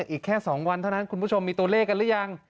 อีกแค่๒วันเท่านั้นคุณผู้ชมมีตัวเลขกันหรือยัง